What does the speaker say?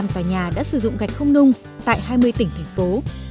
hai sáu trăm một mươi năm tòa nhà đã sử dụng gạch không nung tại hai mươi tỉnh thành phố